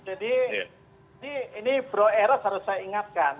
jadi ini bro eros harus saya ingatkan